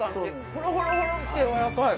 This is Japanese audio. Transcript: ほろほろほろって軟らかい。